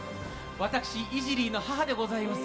私、イジリーの母でございます。